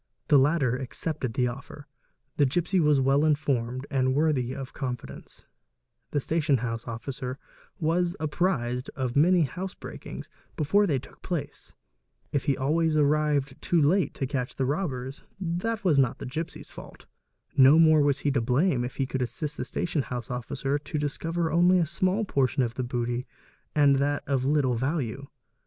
The latter accepted the offer, the gipsy was well informed and worthy of confidence, the station house officer was apprized of many house breakings before they took place; if he always arrived too late to catch the robbers, that was not the gipsy's fault; no more was he to blame if he could assist the station house officer to discover only a small portion of the booty and that of little value.